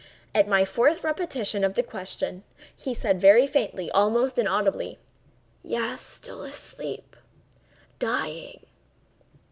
At my fourth repetition of the question, he said very faintly, almost inaudibly: "Yes; still asleep—dying."